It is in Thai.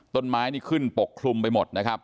ต้นไม้นี่ขึ้นปลกคลุมไปหมด